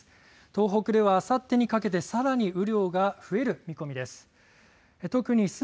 東北ではあさってにかけて、さらに雨量が増える見込みです。